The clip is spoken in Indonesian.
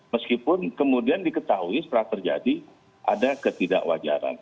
meskipun kemudian diketahui setelah terjadi ada ketidakwajaran